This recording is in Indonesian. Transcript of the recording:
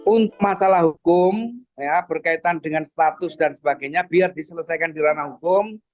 untuk masalah hukum berkaitan dengan status dan sebagainya biar diselesaikan di ranah hukum